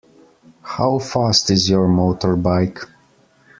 How fast is your motorbike?